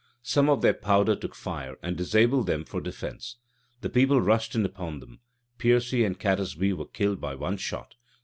Some of their powder took fire, and disabled them for defence.[] The people rushed in upon them. Piercy and Catesby were killed by one shot.